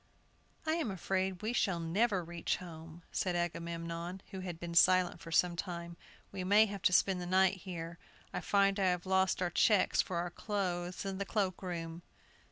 "I am afraid we shall never reach home," said Agamemnon, who had been silent for some time; "we may have to spend the night here. I find I have lost our checks for our clothes in the cloak room!"